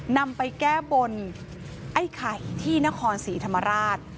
นำไปแก้บนไอ้ไข่ที่นครศรีธรรมราช